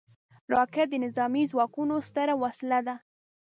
راکټ د نظامي ځواکونو ستره وسله ده